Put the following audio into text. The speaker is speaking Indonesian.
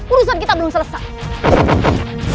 urusan kita belum selesai